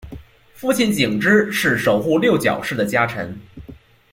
父亲景之是守护六角氏的家臣。